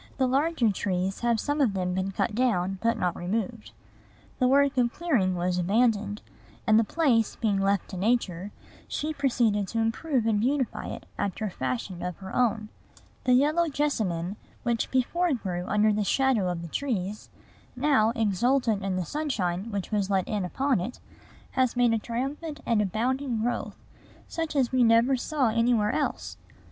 The larger trees have some of them been cut down, but not removed. The work of clearing was abandoned; and, the place being left to Nature, she proceeded to improve and beautify it after a fashion of her own. The yellow jessamine, which before grew under the shadow of the trees, now, exultant in the sunshine which was let in upon it, has made a triumphant and abounding growth, such as we never saw anywhere else.